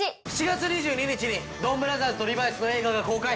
７月２２日に『ドンブラザーズ』と『リバイス』の映画が公開。